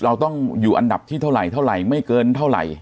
เราต้องอยู่อันดับที่เท่าไหร่เท่าไหร่ไม่เกินเท่าไหร่